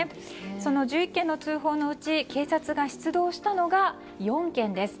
その１１件の通報のうち警察が出動したのが４件です。